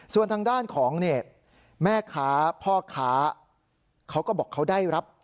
ส่วนทางด้านของแม่ค้าพ่อค้าเขาก็บอกเขาได้รับ